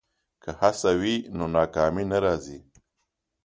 که هڅه وي نو ناکامي نه راځي.